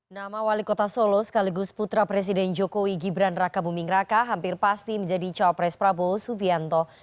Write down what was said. nama wali kota solo sekaligus putra presiden jokowi gibran raka buming raka hampir pasti menjadi cawapres prabowo subianto